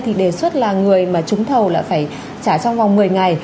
thì đề xuất là người mà trúng thầu là phải trả trong vòng một mươi ngày